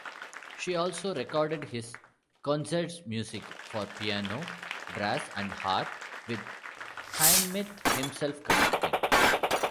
She also recorded his Konzertmusik For Piano, Brass and Harp with Hindemith himself conducting.